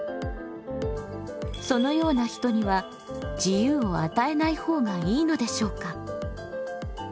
そのような人には自由を与えない方がいいのでしょうか？